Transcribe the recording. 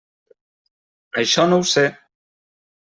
Això no ho sé.